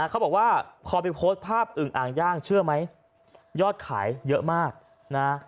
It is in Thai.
เขาบอกว่าพอไปโพสต์ภาพอึงอ่างย่างเชื่อไหมยอดขายเยอะมากนะ